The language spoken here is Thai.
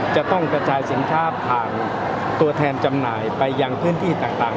จะต้องกระจายสินค้าผ่านตัวแทนจำหน่ายไปยังพื้นที่ต่าง